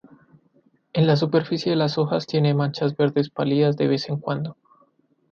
En la superficie de las hojas tiene manchas verdes pálidas de vez en cuando.